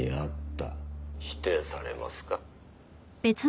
「否定されますか？」